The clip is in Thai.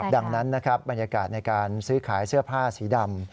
ดังนั้นนะครับบรรยากาศในการซื้อขายเสื้อผ้าสีดำ